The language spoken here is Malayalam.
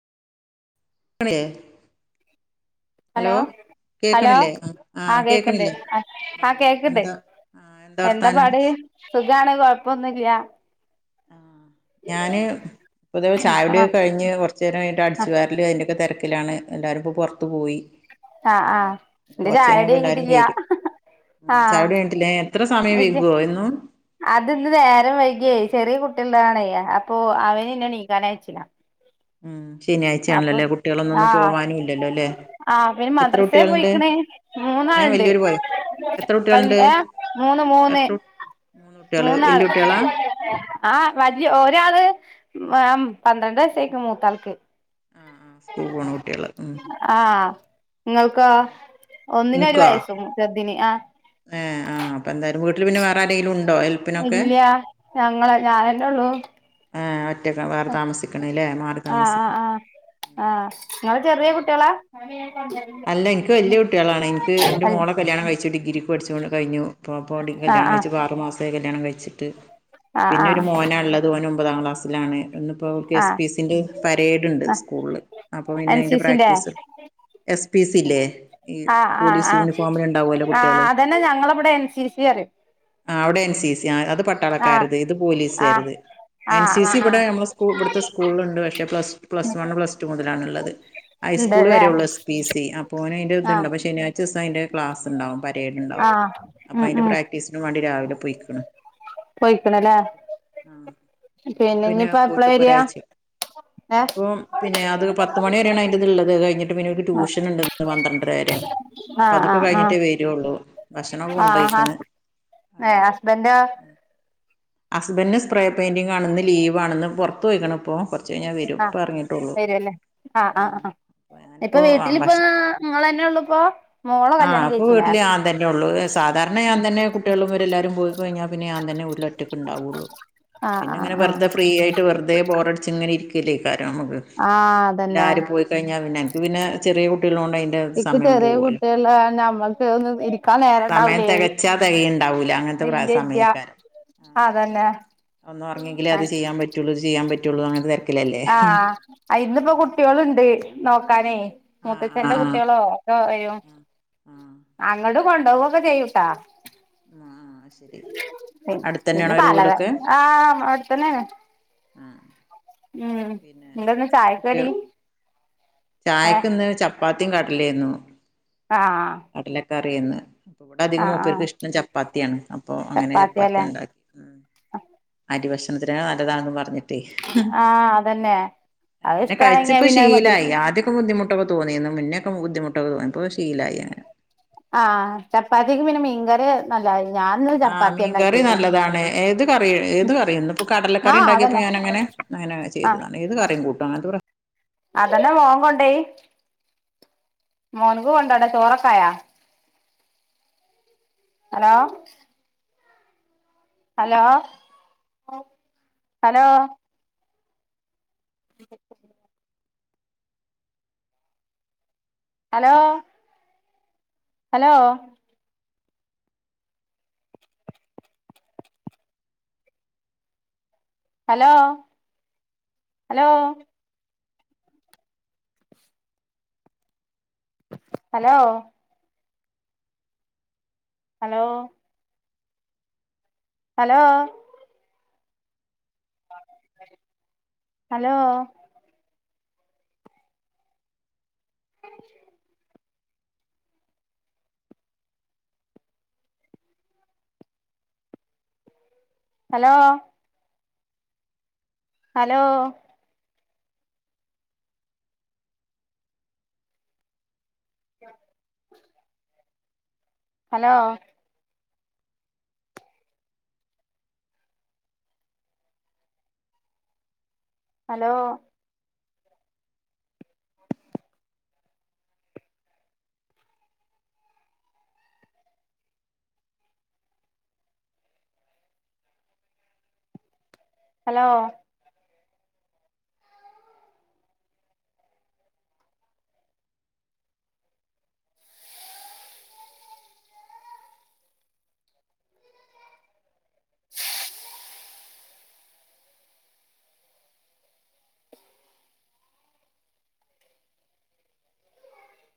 [unintelligible] ഹലോ, ഹലോ കേക്കണില്ലേ ആഹ് കേക്കണ്ട്, ആഹ് കേക്കണ്ട്. എന്താ ആഹ് എന്താ വർത്താനം പാട് സുഖാണ് കൊഴപ്പൊന്നും ഇല്ല. ആ ഞാന് പൊതുവേ ചായ ആ കുടിയൊക്കെ കഴിഞ്ഞ് കുറ ച്ച് ആ അടിച്ചു വാരല് അതിൻ്റെയൊക്കെ തിരക്കിലാണ്. എല്ലാവരും ഇപ്പോ പുറത്തു പോയി. ആ ആ പിന്നെ എന്റെ കുറച്ച് കഴിഞ്ഞ ചായുടി പിന്നെ എല്ലാരും കഴിഞ്ഞിട്ടില്ല വരും. ഉം ആ ചായ കുടി കഴിഞ്ഞിട്ടില്ലേ, എത്ര സമയം വൈകുവോ എന്നും. അത് ഇന്ന് നേരം വൈകിയേ ചെറിയ കുട്ടിയുള്ളതാണ്, അപ്പൊ ആഹ് അവന് ഇന്ന് എനീക്കാൻ അയച്ചില്ല. ഉം ശനിയാഴ്ച ആണല്ലേ, കുട്ടികളൊന്നുംന്നും പോവാനും ഇല്ലല്ലോ അല്ലെ?. ആഹ് പിന്നെ മദ്രസെ പോയിരിക്കണ് ഏഹ് മൂന്നാളുണ്ട്, വലിയൊരു ബോയോ എത്ര വല കുട്ടികളുണ്ട് മൂന്ന് മൂന്ന് എത്ര കു മൂന്ന് കുട്ടികള് വല്യ മൂന്നാള്. കുട്ടികളാ ആഹ് വല്യ ഒരാള് പന്ത്രണ്ട് വയസായേക്കണ് മൂത്താൾക്ക്. ആഹ് ആഹ് സ്കൂളിൽ പോണ കുട്ടികള്. ഉം ആഹ് നിങ്ങൾക്കൊ ഒന്നിന് ഒരു വയസും, ചെറുതിന് ആഹ് ഏഹ് ആഹ് അപ്പ എന്തായാലും വീട്ടില് പിന്നെ വേറെ ആരെങ്കിലും ഉണ്ടോ? ഹെൽപ്പിനൊക്കെ. ഇല്ല ഞങ്ങള് ഞാൻ തന്നെ ഉള്ളൂ. ആഹ് ഒറ്റയ്ക്ക മാറി താമസിക്കണ് അല്ലേ, മാറി താമസിക്കണ്. ആഹ് നിങ്ങള് ചെറിയ കുട്ടികളാ [unintelligible] അല്ല, എനിക്ക് വലിയ കുട്ടികളാണ്. എനിക്ക് എൻ്റെ അല്ല മോളെ കല്യാണം കഴിച്ചു ഡിഗ്രിക്ക് പഠിച്ചുകൊണ്ട് കഴിഞ്ഞു. [unintelligible] ആ കല്യാണം ആ കഴിച്ചപ്പോൾ ആറ് മാസം. കല്യാണം കഴിച്ചിട്ട് ആ ആ പിന്നെ ഒരു മോനാ ഉള്ളത്. മോൻ ഒമ്പതാം ക്ലാസ്സിലാണ്. ഇന്നിപ്പോ ആ എസ് പി സിൻ്റെ പരേഡ് ഉണ്ട്. ആ സ്കൂളില് അപ്പോൾ പിന്നെ എൻ സി അതിൻ്റെ സിന്റെ പ്രാക്ടീസ്. എസ് പി സി ഇല്ലേ ഈ ആ ആ പോലീസ് ആ യൂണിഫോമിൽ ഉണ്ടാവുമല്ലോ ആ കുട്ടികള്. അതന്നെ ഞങ്ങളിവിടെ എൻ സി സി പറയും ആഹ് അവിടെ എൻ സി സി, ആഹ് അത് ആ പട്ടാളക്കാരത്, ഇത് ആ പോലീസ്കാരത്. ആ എൻ സി ആ സി ആ ഇവിടെ നമ്മളുടെ സ് ഇവിടുത്തെ സ്കൂളിലുണ്ട്. പക്ഷെ plus plus one, plus two മുതലാണുള്ളത്. ഹൈസ്കൂൾ ഉണ്ടല്ലേ വരെയുള്ളു. [unintelligible] ആ ശനിയാഴ്ച ദിവസം അതിൻ്റെ ക്ലാസ്സ് ഉണ്ടാവും, പരേഡ്ണ്ടാവും, ആഹ് അപ്പോ ഉം അതിൻ്റെ ഉം പ്രാക്‌ടിസ്. സിന് വേണ്ടി രാവിലെ പോയിക്കണ് പോയിക്കണല്ലേ ആഹ് [unintelligible] പിന്നെ ഇനിയിപ്പ എപ്പളാ പോയിട്ട് വരിയാ ഒരാഴ്ച്ചയായി ഏഹ് ഇനിയിപ്പോ പിന്നെ അത് പത്ത് മണി വരെയാണ് അതിന്റെ ഇത് ഇള്ളത് കഴിഞ്ഞിട്ട് പിന്നെ ട്യൂഷന്ണ്ട്ന്ന് പന്ത്രണ്ടരവരേ അപ്പൊ ആഹ് അതൊക്കെ ആഹ് ആഹ് കഴിഞ്ഞിട്ടേ വരൊള്ളൂ ഭക്ഷണൊക്കെ ആഹ് കൊണ്ടോയ്ക്ക്ണ് ഹസ് ഏഹ് ഹസ്ബന്റോ ഹസ്ബന്റിന് സ്പ്രേ പെയിന്റിംഗാണ്ന്ന് ലീവാണ് പൊർത്ത്പോയ്ക്ക്ണ്പ്പോ കൊർച്ചയ്ഞ്ഞാ വരും ആഹ് ഇപ്പ ഏർങ്ങീട്ടുള്ളൂ വരുവല്ലേ ആഹ് ആഹ് ആഹ് ഇപ്പൊ പ്പോ ആഹ് വീട്ടിലിപ്പ ഭക്ഷ നിങ്ങളന്നെ ഉള്ളുപ്പോ മോളെ ആ കല്യാണം ഇപ്പൊ കഴിച്ചില്ലേ വീട്ടില് ഞാൻ തന്നേള്ളൂ [unintelligible] സാധാരണ ഞാൻതന്നെ കുട്ടികളുംവരല്ലാരും പോയിക്കഴിഞ്ഞാ പിന്നെ ഞാൻതന്നെ വീട്ടില് ഒറ്റക്ക് ക്ക്ണ്ടാവുള്ളു ആഹ് പിന്നെ ആഹ് ഇങ്ങനെ ആഹ് വെർതെ ഫ്രീ ആയിട്ട് വെർതേ ബോറട്ച്ച് ഇങ്ങനെ ഇരിക്കല്ലേക്കാരംമ്മക്ക് ആഹ് അതന്നെ എല്ലാരും പോയികഴിഞ്ഞാ പിന്നെ അൻക്ക് പിന്നെ ചെറിയ കുട്ടിള്ളോണ്ട് അയ്നെ ഇക്ക് സമയം ചെറിയ പോവോലോ കുട്ടികള് നമ്മക്ക് ഒന്ന് ഇരിക്കാൻ നേരം സമയം ഉണ്ടാവൂലേ തെകച്ചാ തെകയിണ്ടാവൂല അങ്ങൻ തെ പ്ര ഇല്ല ഇല്ല സമയയ്ക്കാരം അതന്നെ ഒന്നൊർങ്ങ്യങ്കിലേ അത് ചെയ്യാൻ പറ്റൊ റ്റുള്ളൂ ചെയ്യാൻപറ്റുള്ളൂ അങ്ങൻതെ തെര് ആഹ് അയിന്നിപ്പോ കുട്ട്യോളുണ്ട് നോക്കാനേ ആഹ് മുത്തച്ഛന്റെ ആഹ് ആഹ് കുട്ട്യോളോ ഒക്കെ വരും ആഹ് ആഹ് അങ്ങടും കൊണ്ടോവൊക്കെ ചെയ്യൂട്ടാ ആഹ് ആഹ് ശരി പിന്ന പിന്നെ അടുത്തന്നെയാണോ അവരെ തലവേ വീടൊക്കെ ആഹ് അടുത്തന്നേണ് ഉം ഉം എന്താന്ന് ചായക്കടി ചായക്ക്ന്ന് ചപ്പാത്തിം കടലിയേയ്ന്നു ആഹ് കടലക്കാറിയേന്ന് ഇവിടെ അധികം ആഹ് മൂപ്പർക്ക് ആഹ് ഇഷ്ടം ചപ്പാത്തിയാണ് അപ്പൊ അങ്ങനെ ചപ്പാത്തിയല്ലേ ചപ്പാത്തിയാണ്ടാക്കി ഉം അരിഭക്ഷണത്തിനേക്കാൾ നല്ലതാണ്ന്ന് പർഞ്ഞ് [unintelligible] ആഹ് അതന്നെ അത് പിന്നെ ഇഷ്ടാണെങ്കി കഴിച്ച്പ്പ പിന്നെ അത് മതിയല്ലോ ശീലായി ആദ്യ ആദ്യക്കെ ബുദ്ധമുട്ടൊക്കെ തോന്നീന്നു മുന്നേക്കെ ബുദ്ധിമുട്ടൊക്കെ തോന്നിപ്പൊശീലായിഅങ്ങനെ ആഹ് ചപ്പാത്തീക്ക് പിന്നെ മിൻകറി നല്ലായി ഞാൻന്ന് ആഹ് മീൻകറി നല്ലതാണ് ഏത് കറി ഏത് കറിയന്ന് ഇപ്പൊ ആഹ് കടലക്കറിണ്ടാക്കിയപ്പോ അതന്നെ ഞാനങ്ങനെ അങ്ങനെ ആഹ് ചെയ്തതാണ് ഏത് കറിംകൂട്ടും അങ്ങൻതെ പ്ര അതന്നെ മോൻ കൊണ്ടോയി മോൻക്ക്കൊണ്ടോണ്ടേ ചോറൊക്കായോ ഹലോ ഹലോ ഹലോ അ hello hello hello hello hello hello hello hello hello hello [inaudible] hello hello hello